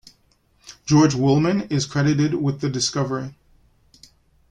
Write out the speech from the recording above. George Willeman is credited with the discovery.